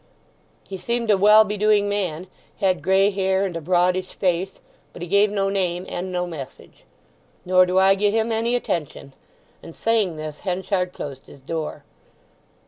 "He seemed a well be doing man—had grey hair and a broadish face; but he gave no name, and no message." "Nor do I gi'e him any attention." And, saying this, Henchard closed his door.